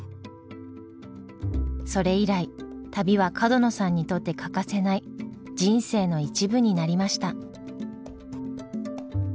それ以来旅は角野さんにとって欠かせない人生の一部になりました。